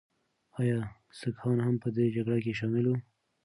ایا سکهان هم په دغه جګړه کې شامل وو؟